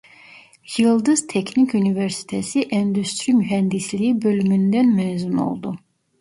Yıldız Teknik Üniversitesi Endüstri Mühendisliği bölümünden mezun oldu.